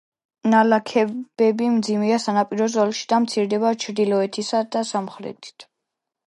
ნალექები მძიმეა სანაპირო ზოლში და მცირდება ჩრდილოეთსა და სამხრეთით.